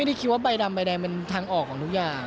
ได้คิดว่าใบดำใบแดงเป็นทางออกของทุกอย่าง